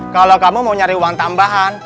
kalau kamu mau nyari uang tambahan